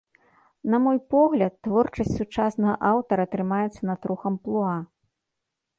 На мой погляд, творчасць сучаснага аўтара трымаецца на трох амплуа.